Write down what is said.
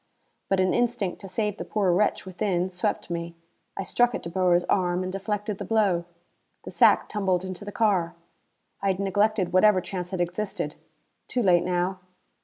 But an instinct to save the poor wretch within swept me. I struck at De Boer's arm and deflected the blow. The sack tumbled into the car. I had neglected whatever chance had existed. Too late now!